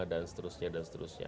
dan seterusnya dan seterusnya